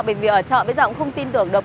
bởi vì ở chợ bây giờ cũng không tin tưởng được